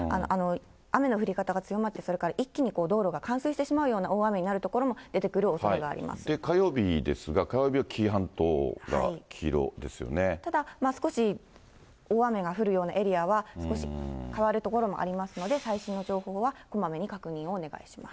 雨の降り方が強まって、それから一気に道路が冠水してしまうような所が出てくるおそれが火曜日ですが、火曜日は紀伊ただ、少し大雨が降るようなエリアは、少し変わる所もありますので、最新の情報はこまめに確認をお願いします。